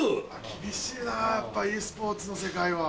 厳しいなぁやっぱｅスポーツの世界は。